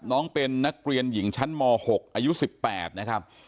น้องเป็นนักเรียนหญิงชั้นม๖อายุ๑๘นะครับ